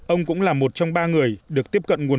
ông cũng là một trong ba người được tiếp cận nguồn